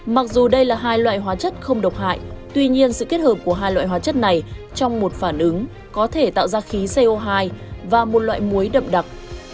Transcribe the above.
mặc dù đây là hai loại hóa chất không độc hại tuy nhiên sự kết hợp của hai loại hóa chất này trong một phản ứng có thể tạo ra khí co hai và một loại muối đậm đặc